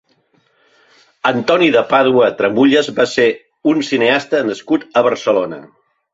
Antoni de Pàdua Tramullas va ser un cineasta nascut a Barcelona.